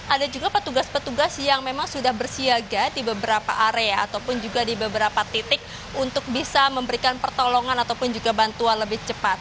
ada juga petugas petugas yang memang sudah bersiaga di beberapa area ataupun juga di beberapa titik untuk bisa memberikan pertolongan ataupun juga bantuan lebih cepat